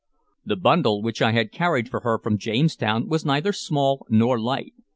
The bundle which I had carried for her from Jamestown was neither small nor light.